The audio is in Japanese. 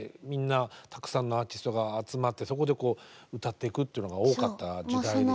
みんなたくさんのアーティストが集まってそこで歌っていくっていうのが多かった時代で。